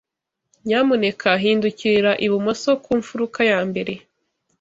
Nyamuneka hindukirira ibumoso ku mfuruka ya mbere.